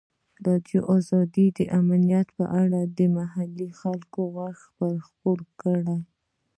ازادي راډیو د امنیت په اړه د محلي خلکو غږ خپور کړی.